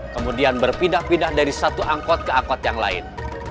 kemudian berpindah pindah dari satu angkot ke angkot yang lain